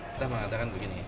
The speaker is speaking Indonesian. kita mengatakan begini